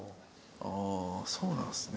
ああそうなんですね。